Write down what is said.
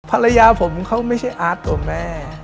ภารณาผมไม่ใช่อาสต์ตัวแม่